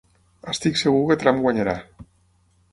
Estic segur que Trump guanyarà